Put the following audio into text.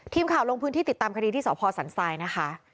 ทีมข่าวลงพื้นที่ติดตามคดีที่สพสันทรายนะคะ